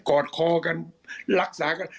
อดคอกันรักษากัน